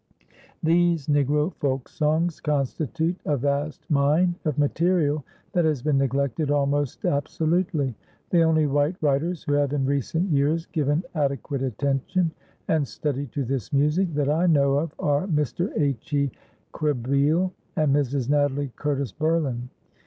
These Negro folksongs constitute a vast mine of material that has been neglected almost absolutely. The only white writers who have in recent years given adequate attention and study to this music, that I know of, are Mr. H.E. Krehbiel and Mrs. Natalie Curtis Burlin.